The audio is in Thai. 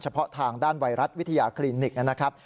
เพาะทางด้านไวรัสวิทยาคลินิกนะครับ